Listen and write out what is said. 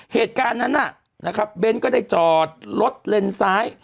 เหตุการณ์นั้นนะครับเบ้นก็ได้จอดรถเลนซ้าย